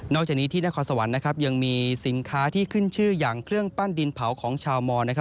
จากนี้ที่นครสวรรค์นะครับยังมีสินค้าที่ขึ้นชื่ออย่างเครื่องปั้นดินเผาของชาวมอนนะครับ